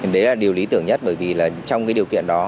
đấy là điều lý tưởng nhất bởi vì trong điều kiện đó